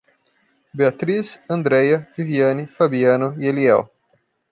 Beatris, Andreia, Viviane, Fabiano e Eliel